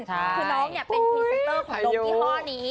คือน้องเป็นพรีเซนเตอร์ของลงยี่ห้อนี้